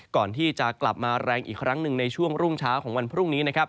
ก่อนที่จะกลับมาแรงอีกครั้งหนึ่งในช่วงรุ่งเช้าของวันพรุ่งนี้นะครับ